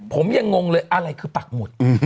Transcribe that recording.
ผมยังงงเลยอะไรคือปักหมุด